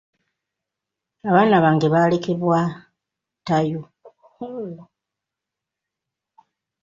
Abaana bange baalekebwa ttayo.